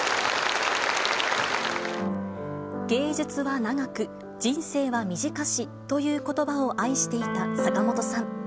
芸術は長く、人生は短しということばを愛していた坂本さん。